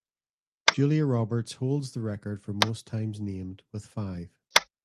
Julia Roberts holds the record for most times named, with five.